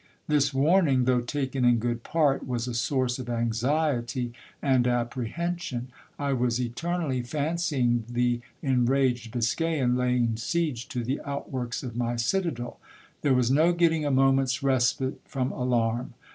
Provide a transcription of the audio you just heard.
This warning, though taken in good part, was a source of anxiety and apprehen sion. I was eternally fancying the enraged Biscayan laying siege to the out works of my citadeL There was no getting a moment's respite from alarm.